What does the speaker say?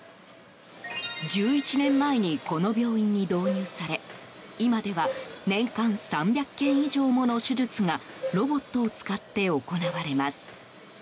１１年前にこの病院に導入され今では年間３００件以上もの手術がロボットを使って行われます。